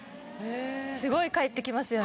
すごい返ってきますよね。